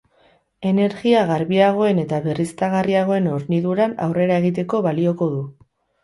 Energia garbiagoen eta berriztagarriagoen horniduran aurrera egiteko balioko du.